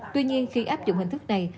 tuy nhiên khi áp dụng hình thức này